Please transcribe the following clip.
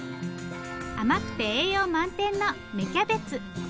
甘くて栄養満点の芽キャベツ。